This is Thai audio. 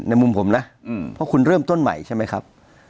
มุมผมนะเพราะคุณเริ่มต้นใหม่ใช่ไหมครับ